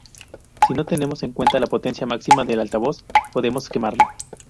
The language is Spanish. Si no tenemos en cuenta la potencia máxima del altavoz, podemos quemarlo.